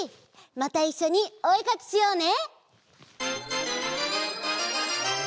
またいっしょにおえかきしようね！